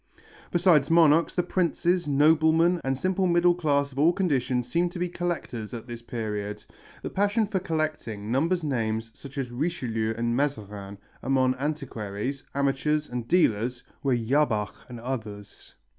Besides monarchs, the princes, noblemen and simple middle class of all conditions seemed to be collectors at this period. The passion for collecting numbers names such as Richelieu and Mazarin, among antiquaries, amateurs and dealers were Jabach and others.